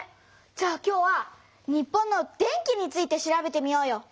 じゃあ今日は日本の電気について調べてみようよ！